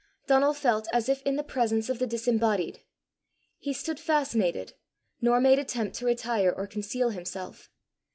Donal felt as if in the presence of the disembodied; he stood fascinated, nor made attempt to retire or conceal himself.